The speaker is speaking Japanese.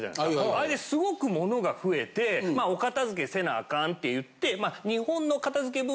あれですごく物が増えてお片付けせなアカンって言って。